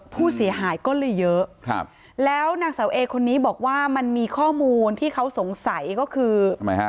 ผู้เสียหายก็เลยเยอะครับแล้วนางเสาเอคนนี้บอกว่ามันมีข้อมูลที่เขาสงสัยก็คือทำไมฮะ